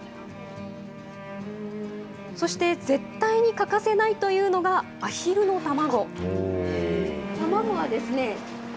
そして絶対に欠かせないというのが、アヒルの卵。